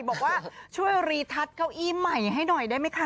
บอกว่าช่วยรีทัศน์เก้าอี้ใหม่ให้หน่อยได้ไหมคะ